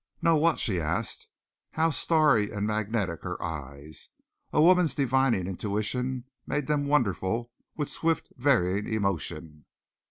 "Know what?" she asked. How starry and magnetic her eyes! A woman's divining intuition made them wonderful with swift varying emotion.